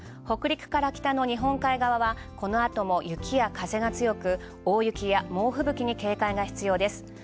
北陸から北の日本海側はこのあとも雪や風が強く大雪や猛吹雪に警戒が必要です。